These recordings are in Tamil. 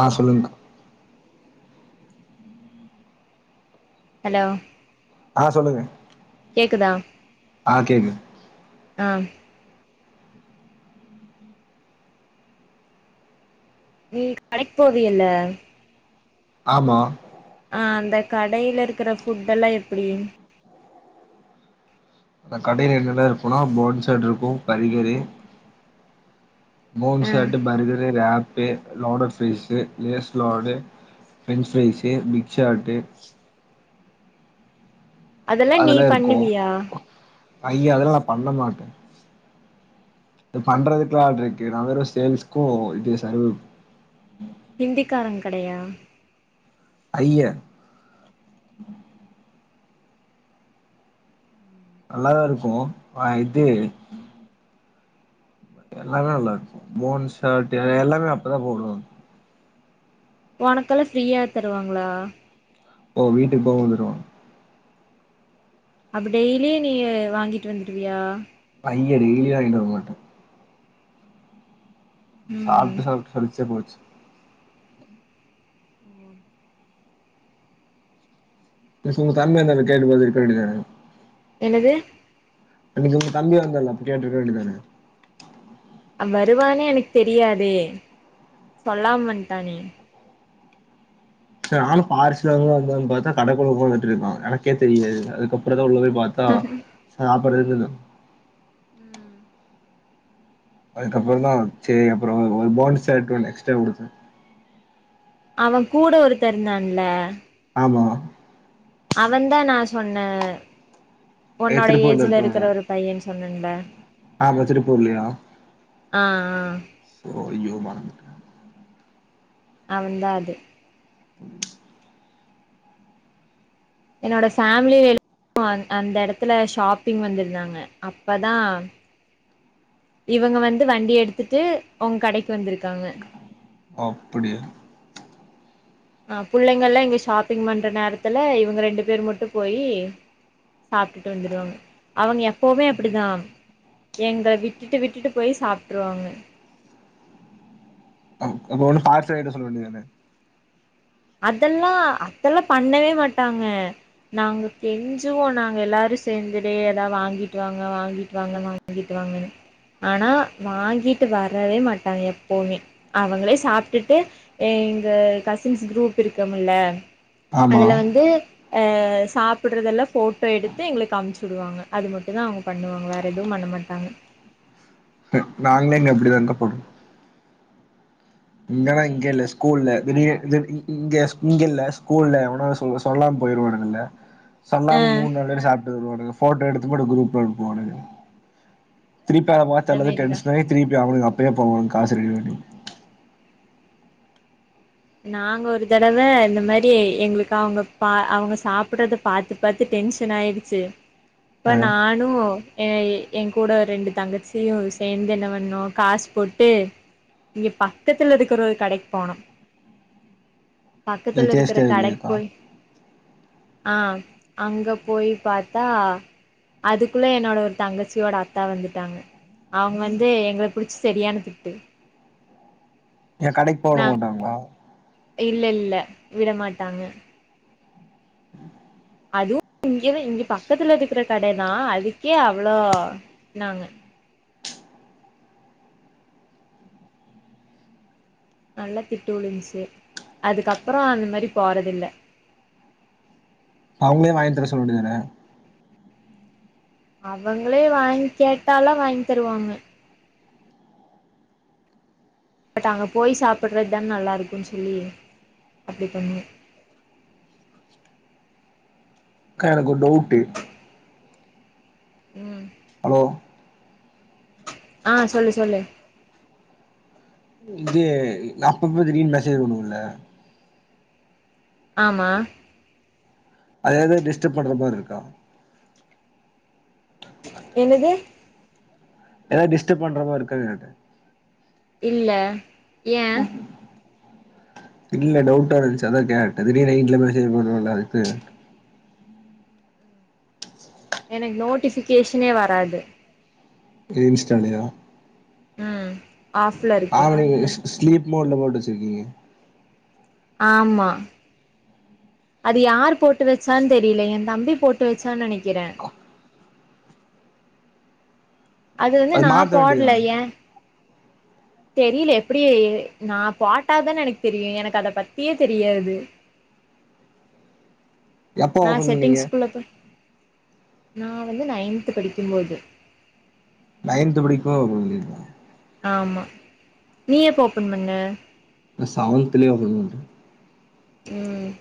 ஆ சொல்லுங்கா ஹலோ ஆ சொல்லுங்க கேக்குதா ஆ கேக்கு ஆ நீ கடைக் போவியல்ல ஆமா ஆ அந்த கடையில இருக்குற ஃபுட்டெல்லா எப்பிடி அந்த கடையில என்னென்ன இருக்குன்னா போன்சடு இருக்கு கறிகறி ஆ போன்சடு பர்கர்ரு ரேப் பு லோடாஃப்சு லேஸ் லார்டு பிரெஞ்சு ரைஸ் பிக் சார்டு அதெல்லா நீ பண்ணுவியா ஐயா அதெல்லா நா பண்ணமாட்டே இது பண்றதுக்கெல்லா ஆள் இருக்கு நா வெறு சேல்ஸ்க்கு இது சர்வரு ஹிந்திக்கார கடையா ஐய்ய நல்லாதா இருக்கு ஆ இது எல்லாமே நல்லாருக்கு போன்ஸ் ஷர்ட் எல்லாமே அப்பதா போடுவாங் ஒனக்கெல்லா ஃப்ரீயா தருவாங்ளா ஓ வீட்டுக் போம்போது தரு அப்ப டெய்லி நீ வாங்கிட்டு வந்துடுவியா அய்ய டெய்லிலா வாங்கிட்டு வரமாட்டே ம் சாப்ட்டு சாப்ட்டு சலிச்சே போச்சி ம் திஸ் உங்க தம்பி வந்தனே கேட்டுப்பாத்து இருக்க வேண்டிதான என்னது அன்னிக்கு உங்க தம்பி வந்தல அப்ப கேட்ருக்க வேண்டிதான வருவானே எனக் தெரியாதே சொல்லாம வண்டானே சே ஆளு பார்சல் வாங்க வந்தானு பாத்தா கடகுள்ள உக்காந்துட்ருக்கா எனக்கே தெரியாது அதுக்கப்புறோ ட்ராத உள்ள போய் பாத்தா சாப் ப்பரேதுனா ம் அதுக்கப்புறோதா சேரி அப்புறோ ஒரு போண்ட் சேட் ஒன்னு எக்ஸ்ட்ரா குடுத்தே அவ கூட ஒருத்த இருந்தான்ல்ல ஆமா அவதா நா சொன்னே ஏ உன்னோட திருப்பூர்ல ஏஜ்ல இருக்கிற இருக்கவனா ஒரு பையன் சொன்னே இண்ட் ஆமா திருப்பூர்ல்லையா ஆ ஆ ஓ ஐய்யோமா அது தான் அது பு என்னோட ஃபேமிலி அந்த இடத்துல ஷாப்பிங் வந்திருந்தாங்க அப்பதான் இவங்க வந்து வண்டி எடுத்துட்டு உங்க கடைக்கு வந்திருக்காங்க அப்படியா ஆஹ் பிள்ளைங்கல்லாம் இங்க ஷாப்பிங் பண்ற நேரத்துல இவங்க ரெண்டு பேர் மட்டும் போயி சாப்பிட்டுட்டு வந்துடுவாங்க அவங்க எப்பவுமே அப்படிதான் எங்களை விட்டுட்டு விட்டுட்டு போய் சாப்பிட்டுருவாங்க அப்ப ஒண்ணு பாரிட்ட சொல்ல வோனே அதெல்லாம் அதெல்லாம் பண்ணவே மாட்டாங்க நாங்க கெஞ்சுவோம் நாங்க எல்லாரும் சேர்ந்துட்டே ஏதாவது வாங்கிட்டு வாங்க வா வாங்கிட்டு வாங்க ஆனா வாங்கிட்டு வரவே மாட்டாங்க எப்பவுமே அவங்களே சாப்பிட்டுட்டு எங்க கசின் குரூப் இருக்கும்ல ஆமா அதுல வந்து அஹ் சாப்பிடுறதுெல்லாம் போட்டோ எடுத்து எங்களுக்கு அமுச்சு விடுவாங்க அது மட்டும் தான் அவங்க பண்ணுவாங்க வேற எதுவும் பண்ண மாட்டாங்க நாங்களே இங்க இப்படி தான் இருக்க போறோம் இங்கன்னா இங்க இல்ல ஸ்கூல்ல இங்க இங்க இல்ல ஸ்கூல்ல உன சொ சொல்லாமா போயிருவா்கள்ல்ல சொல்லாம் ம் மூணு நாள சாப்டு வருவாங்க போட்டோ எடுத்து போ திருப்பி அவங்க பார்த்து அந்த எல்லாம் மாரிதான் டென்ஷன் ஆகி திருப்பி ஆ அப்ப போவங்க காசு கடி வேண்டி நாங்க ஒரு தடவை இந்த மாதிரி எங்களுக்கு அவங்க பா அவங்க சாப்பிடுறத பாாரத்து பாரத்து டென்ஷன் ஆயிடுச்சு அப்ப ஆ நானும் என் என் கூட ரெண்டு தங்கச்சியும் சேர்ந்து என்ன பண்ணுனோம் காசு போட்டு இங்க பக்கத்துல இருக்கற ஒரு கடைக்கு போனும் இது பக்கத்துல இருக்கிற டேஸ்ட்டா கடை இல்லையேக்கா போய் ஆஹ் அங்க போயி பார்த்தா அதுக்குள்ள என்னோட ஒரு தங்கச்சியோட அத்தா வந்துட்டாங்க அவங்க வந்து எங்களை புடிச்சு சரியான திட்டு என் கடைக்கு போக வுட நாங் மாட்டாங்களா இல்ல இல்ல விடமாட்டாங்க அதுவும் இங்கதான் இங்க பக்கத்துல இருக்கிற கடைதான் அதுக்கே அவ்வளோ என்னாங்க நல்லா திட்டு விழுந்துச்சு அதுக்கப்புறம் அந்த மாதிரி போறது இல்ல அவங்களே வாங்கி தர சொல்ல வேண்டியதுதானே அவங்களே வாங்கி கேட்டாலாம் வாங்கி தருவாங்க பட் அங்க போய் சாப்பிடுறது தான நல்லா இருக்கும்ன்னனு சொல்லி அப்டி பண்ணுவேன் அக்கா எனக்கு ஒரு டவுட்டு் உம் ஹலோ ஆஹ் சொல்லு சொல்லு இ அப்பப்ப திடீர்னு மெசேஜ் பண்ணும்ல ஆமா அதாவது டிஸ்டர்ப் பண்ற மாரி இருக்கா என்னது ஏதாவது டிஸ்டர்ப் பண்ற மாரி இருக்காங்க கேட்ட இல்ல ஏ இல்ல டவுட்டா இருந்துச்சு அதா கேட்ட திடீர்னு ந வட்டுல ச போம்ல்ல அதுக்கு [inaudible] எனக்கு நோட்டிபிகேஷனே வராது எது இன்ஸ்டாலயா ம் ஆஃப்ல இருக்குது ஆமா நீங்க ஸ்லீப் மோட்ல போட்டு வச்சிருக்கீங்க ஆமா அது யார் போட்டு வச்சான்னு தெரியல எ தம்பி போட்டு வச்சான்னு நினைக்கிறே அது வந்து நா மாத்த போடல வேண்டியதான ஏ தெரியல எப்படி நா போட்டாதானே எனக்கு தெரியு எனக்கு அத பத்தியே தெரியாது எப்ப நா ஓபன் பண்ணீங்க செட்டிங்ஸ்குள்ள போய் நா வந்து நைன்த்படிக்கும்போது நைன்த் படிக்கும்போது [unintelligible] ஆமா நீ எப்ப ஓப்பன் பண்ண நா சவந்துலயே ஓபன் பண்ட்டே ம்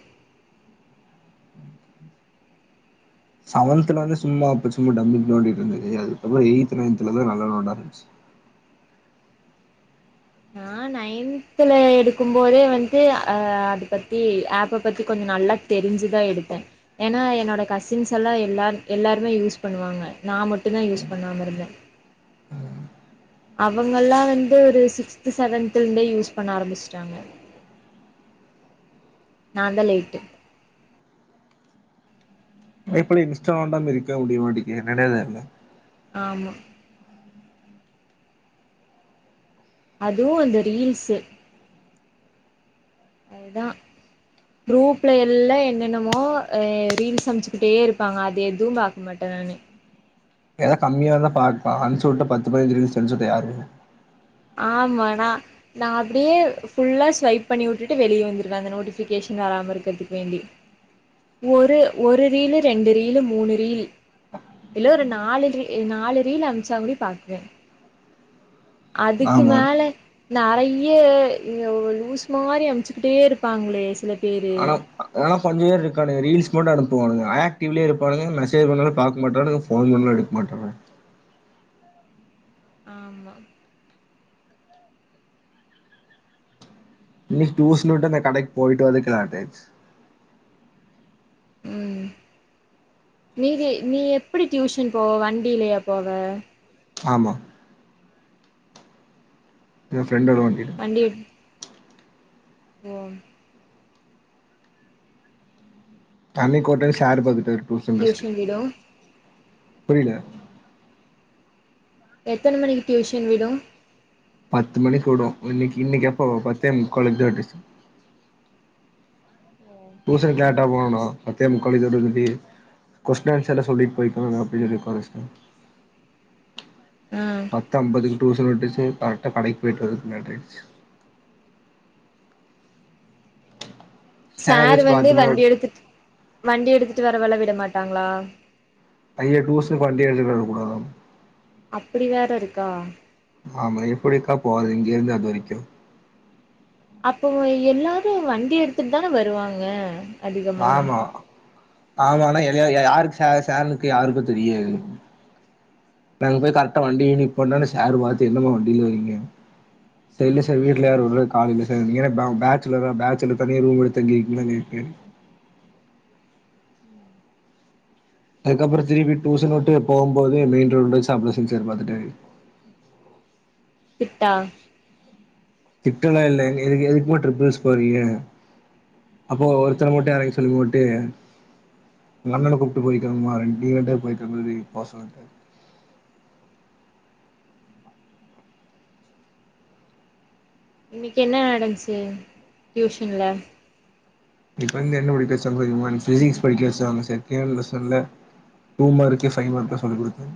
செவன்த்ல வந்து சும்மா அப்ப சும்மா டம்பிக் நோண்டட்டு இருந்துச்சு அதுக்கப்புறோ எயி்த் நைன்தலதான் நல்லா நோண்டாரமுச்சு நா நைன்தல எடுக்கு போதே வந்து அஹ் அத பத்தி ஆப்ப பத்தி கொஞ்சோ நல்லா தெரிஞ்சுதா எடுத்தே ஏன்னா என்னோட கசின்ஸ் எல்லா எல்லா எல்லாருமே யூஸ் பண்ணுவாங்க நா மட்டும்தா யூஸ் பண்ணாம இருந்தே அவங்கல்லா வந்து ஒரு சிக்ஸ்த் செவன்தலந்தே யூஸ் பண்ண ஆரம்பிச்சிட்டாங்க நாதாலேட்டு இப்டி இன்ஸ்டாநோண்டாம இருக்க முடியமாட்டிங் என்னன்னே தெர்ல ஆமா அதுவு அந்த ரீல்ஸு அதுதா குரூப்ல எல்லா என்னென்னமோ ரீல் சமைச்சுக்கிட்டே இருப்பாங்க அது எதுவு பார்க்க மாட்டே நானு ஏதாவ கம்மியா இருந்த பா அனுச்சி விட்டு பத்து மணினுசெஞ்ச்சிட்டு யாரு ஆமா நா நா அப்படியே ஃபுல்லா ஸ்வைப் பண்ணி விட்டுட்டு வெளியே வந்துருக்கவே அந்த நோட்டிஃபிகேஷன் வராம இருக்கிறதுக்கு வேண்டி ஒரு ஒரு ரீலு ரெண்டு ரீல மூணு ரீல் இல்ல ஒரு நாலு ரீ நாலு ரீல் அனுச்சா கூட பாக்குவே அதுக்கு ஆமா மேல நறையி ஏ ஒர் லுஸ் மாதிரி அமுச்சுக்கிட்டே இருப்பாங்களே சில பேரு ஆனா அதனா கொஞ்ச பேர் இருக்கானு ரீல்ஸ் தோட அனுப்புவானுங்க ஆக்டிவ்லயே இருப்பானுங்க மெசேஜ் பண்ணாலு பாக்க மாட்டானுக ஃபோன் பண்ணாலு எடுக்க மாட்டானுங்க ஆமா இன்னைக்கு டூஸன் வுட்டு இந்த கடைக்கு போயிட்டு வரதுக்லேட்டாயிச் ம் நீதி நீ எப்படி டியூஷன் போவ வண்டியிலயா போவ ஆமா [unintelligible] ஃப்ரெண்டோட வண்டில வண்டி ஓ தண்ணீ கோட்ட ஷேரு பகுட்டர் டியூஷன் விடு புரியல எத்தன மணிக்கு டியூஷன் விடு பத்து மணிக்குவுடு இன்னிக்கு இன்னிக்கு எப்ப பத்தே முக்காலுக்கு விட்டுச்சி டூஷனுக்கு லேட்டா போனானா பத்தே முக்காலஜோடடி கொஸ்டின் ஆன்சர் சொல்லிட்டு போய்க்கோங்க அப்பிடின் சொல்லி உக்கார வச் ஆ பத் அம்பதுக்கு டூஷன் விட்டுச்சி கரெக்டா கடைக்கு போயிட்டு வருதுக்கு லேட்டாடிச்சி சார் சேரு வச்சு வந்து வண்டி பாத்தும்போது எடுத்துட்டு வண்டி எடுத்துட்டு வரவல விட மாட்டாங்களா அய்ய டூஷ்க்கு வண்டி எடுத்துட்டு வரகூடாது அப்பிடி வேற இருக்கா ஆமா எப்பிடிக்கா போத இங்கேந்து அது வரைக்கு அப்பவ எல்லாரு வண்டி எடுத்துட்டுதான வருவாங்க அதிகமா ஆமா ஆமானா எலியா ய யாருக்கு சேர் சேர்னுக்கு யாருக்கு தெரியாது நாங்க போய் கரெக்டா வண்டிய நிப்போண்டானனு சேரு பாத்து என்னமா வண்டியிலவறீங்க சேர் இல்ல சார் வீட்டுல யாரு உடர்த்துக்கு ஆளு இல்ல சார் நீங்க என்ன பே பேச்சுலரா பேச்சுலர் தானியே ரூம் எடுத்து தங்கிருக்கீங்கன்னா கேக்கே அதுக்கப்புறோ திருப்பி டூசன்விட்டு போம்போது மெயின் ரோடுல சாப்பிட செஞ்சரு பாத்துட்டாரு ட்டா திட்டலா இல்ல எதுக்கு எதுக்குமா டிட்டரிபில்ஸ் போறீங்க அப்போ ஒருத்தர் மட்டு எறங்க சொல்லி ஓட்டு உங்க அண்ணன கூப்புட்டு போயக்கமா நீ [unintelligible] பாசக இன்னிக்கு என்ன நடச்சி டியூஷன்ல இப்ப வந்து என்ன படிக்க வச்சாங்க தெரியுமா பிசிக்ஸ் படிக்க வச்சாங்க செகண்ட் லெஷன்ல டூ மார்க்கு ஃபை மார்க் சொல்லிக் கொடுத்தே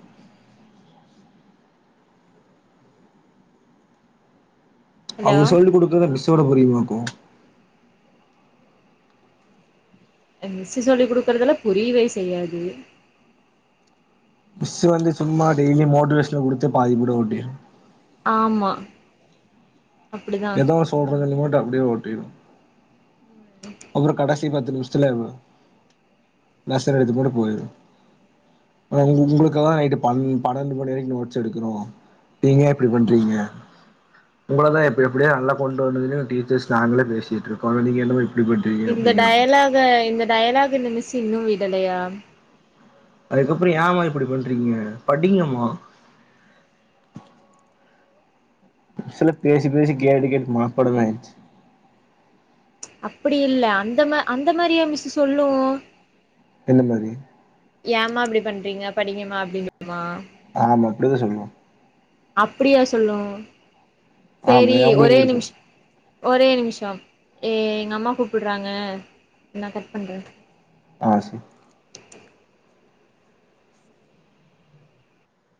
ஹலோ அவுங்க சொல்லி குடுக்குறத மிஸ் ஓட புரிமாக்கோ எங்க மிஸ் சொல்லி் குடுக்கறதெல்லா புரியவே செய்யாது மிஸு வந்து சும்மா டெய்லி மோட்டிவேஷன்ல குடுத்து பாதி பிருடு ஓட்டிரு ஆமா அப்டிதா எதோ சொல்லறதுல மட்டு அப்பிடியே ஓட்டிடு ம் அப்புறோ கடைசி பத்து நிமிஷத்துல நசன் எடுத்து போட்டு போயிரு ஆ உங்களுக்கலா நைட்டு பன்னெண்டு மணி வரைக்கு நோட்ஸ் எடுக்கணோ நீங்க ஏ இப்பிடி பண்றீங்க உங்களதா எப்பிடி எப்பிடியா நல்லா கொண்டு வந்தது டீச்சர்ஸ் நாங்களே பேசிட்டு இருக்கோ நீங்க என்னமா இப்டி பண்றீங்க இந்த அப்டிங்கிறாங்க டயலாக இந்த டயலாக் இந்த மிஸ் இன்னு வி விடலையா அதுக்கப்புறம் ஏமா இப்டி பண்றீங்க படிங்கம்மா சில பேசி பேசி கேட்டு கேட்டு மனப்பாடமே ஆயிச்சி அப்டி இல்ல அந்த மா அந்த மாரியா மிஸ்ஸு சொல்லும் எந்த மாரி ஏமா இப்டி பண்றீங்க படிங்கம்மா அப்டின் சொல்லுமா ஆமா அப்டிதா சொல்லும் அப்டியா சொல்லும் சேரி ஆமா ஒரே உங்களுக்கு எப்டி நிமிஷ சொல்லு ஒரே நிமிஷம் ஏ எங்க அம்மா கூப்படறாங்க நா கட் பண்றன் ஆ செ